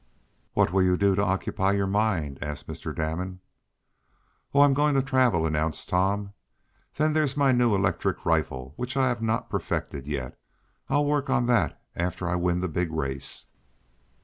"What will you do to occupy your mind?" asked Mr. Damon. "Oh, I'm going to travel," announced Tom. "Then there's my new electric rifle, which I have not perfected yet. I'll work on that after I win the big race."